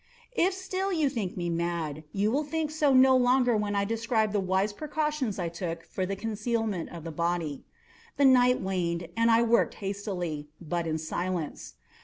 If still you think me mad, you will think so no longer when I describe the wise precautions I took for the concealment of the body. The night waned, and I worked hastily, but in silence.